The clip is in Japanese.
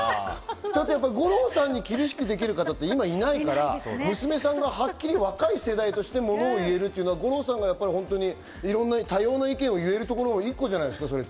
五郎さんに厳しくできる方っていないから娘さんがはっきり若い世代として物を言えるってのは五郎さんが多様な意見を言える一個じゃないですか？